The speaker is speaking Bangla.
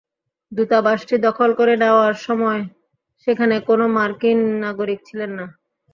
দূতাবাসটি দখল করে নেওয়ার সময় সেখানে কোনো মার্কিন নাগরিক ছিলেন না।